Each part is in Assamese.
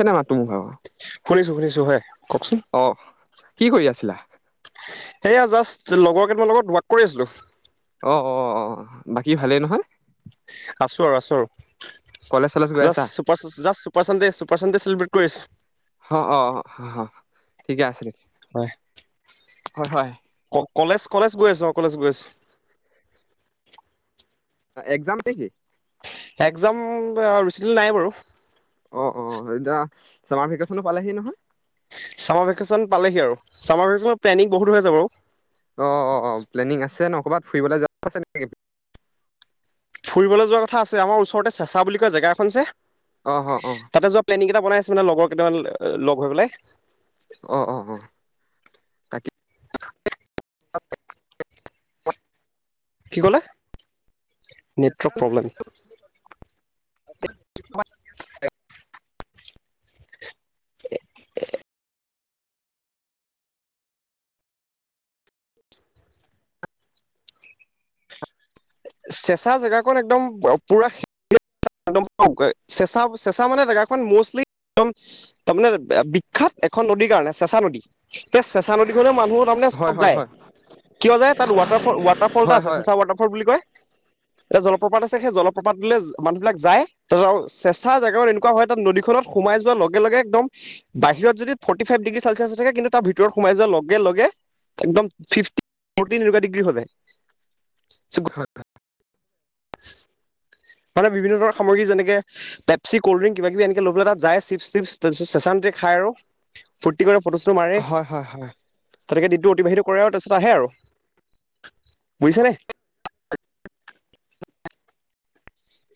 কেনেকে মাতু বাৰু শুনিছো শুনিছো হয় কওকচোন অ কি কৰি আছিলা সেয়া জাষ্ট লগৰ কেইামাৰ লগত ৱাক কৰি আছিলো অ অ অ বাকী ভালেই নহয় আছো আৰু আছো আৰু কলেজ চলেজ গৈ আছা? Just super super Sunday celebrity case অ অ অ ঠিকে আছিল হয় হয় হয় কলেজ কলেজ গৈ আছো অ কলেজ গৈ আছো এক্সাম চে কি? এক্জাম ৰুচিদিল নাই বাৰু অ অ এতিয়া চামাৰ ভেকেশচনো পালেহি নহয় চামাৰ ভেকেশচন পালেহি আৰু চাৰ ভেকেশ প্লেনিং বহুত হৈ আ বাৰু অ অ অ প্লেনিং আছে ন কবাত ফুৰিবলৈ য ফুৰিবলৈ যোৱাৰ কথা আছে আমাৰ ওচৰতে চেঁচা বুলি কয় জেগা এখনছে আহ অ অ এটা বনাই আছে মানে লগৰ কেইটামান লগ হৈ পেলাই অ অঁ অঁ অ কি ক'লে নেটৱৰ্ক প্ৰব্লেম এক [unintelligible] চেঁচা জেগাাকন একদম পুৰা একম চেঁচা চেঁচা মানে জেগাখন মষ্টলি একদম তাৰ মমানে বিখ্যাত এখন নদীৰ কাৰণে চেঁচা নদী সেই চেঁচা নদীখনে মানু তাৰে হয় চব হয় যায় হয়, কিয় যায় তাত ৱাটাৰল ৱাটাৰ ফল এটা হয় আছে হয়, চেচা ৱাটাৰ ফল বুলি কয় এতিয়া জলপ্ৰপাত আছে সেই জলপ্ৰপাত দে মানুহ বিিলাক যায় ত চেঁচা জোগাৰ এনেকুৱা হয় তাত নদীখনত সোমাই যোৱাৰ লগে লগে একদম বাহিৰত যদি ফৰ্টি ফাইভ ডিগ্ৰী চেলচিয়াছ থাকে কিন্তু তাৰ ভিতৰত সোমাই যোৱাৰ লগে লগে একদম ফিফট ফটিন এনেকুৱা ডিগ্ৰী হৈ যায় হয়। [inaudible] মানে বিভিন্ন ধৰণৰ সামগ্ৰী যেনেকে পেপচি, কলড্ৰিংক, কিবা কিবি এনেকে ল'বলৈ তাত যায় চিপচ তিপচ, তাৰপিছত চেচান খাই আৰু ফূৰ্তি কি কৰে ফটোচটো মাৰে। হয় হয় হয়। তনেকে দিনটো অতিবাহিত কৰে আৰু তাৰপিছত আহে আৰু। বুজিছা নে?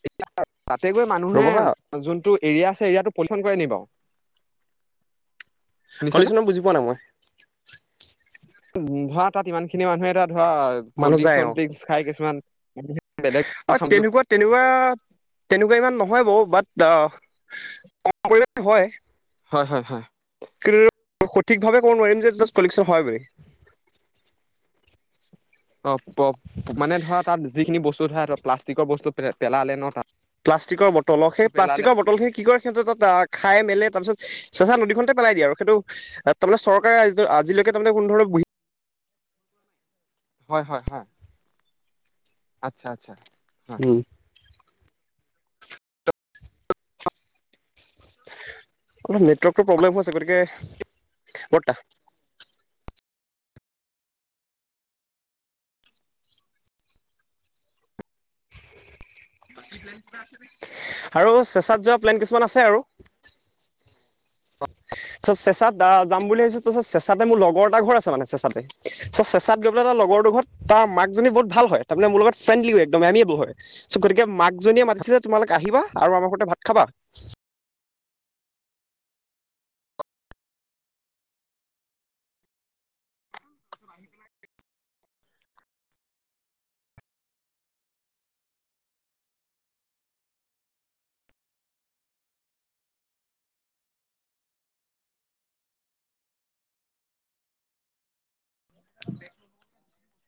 [inaudible] তাতে গৈ ৰ'ব মানুহে, হা যোনটো এৰিয়া আছে এৰিয়াতো [unintelligible] কৰেই নি বাৰু? শুনিছানে? কালিচনত বুজি পোৱা নাই মই। ধৰা তাত ইমান খিনি মানুহে এ তাত ধৰা মানুহ কল্ড যায় অ ড্ৰিংল্ডিং খাই কিছুমান বেলেগ অ' সামগ্ৰী তেনেকুৱা তেনেকুৱা তেনেকুৱা ইমান নহয় নহয় ব বাট অ' ক কৰিলে হয়। হয় হয় হয়। কিন্ত সঠিকভাৱে ক'ব নোৱাৰিম যোষ্ট [unintelligible] হয় বুলি। অ আৰু প্লাষ্টিকৰ বস্তু পেলালে ন প্লাষ্টিকৰ বটল অ', সেই পেলালে প্লাষ্টিকৰ বটল খিনি কি কৰে সিহঁতে তাত খাই মেলে তাৰপিছত, চেচা নদীখনতে পেলাই দিয়ে আৰু সেইটো তাৰমানে চৰকাৰে আজিলৈকে তাৰমানে কোন ধৰণৰ বহি হয় হয় হয়। আচ্ছা আচ্ছা। হয় উম। অলপ নেটৱৰ্কৰ প্ৰব্লেম হৈছে গতিকে। বৰ্তটা আৰু চেচাত যোৱা প্লেন কিছুমান আছে আৰু। চ' চেচাত আহ যাম বুলি ভাবিছ তি চেচাতে মোৰ লগৰ এটা ঘৰ আছে মানে চেচাতে চ চেচাত গলে তাৰ লগৰটোৰ ঘৰত তাৰ মাক জনী বহুত ভাল হয় তাৰমানানে মোৰ লগত ফ্ৰেণ্ডলি একদম আমিয় বু হয় চ' গতিকে মাক জনীয়ে মাতিছে যে তোমালোক আহিবা আৰু আমাৰ সৈতে ভাত খাবা। [inaudible] [inaudible]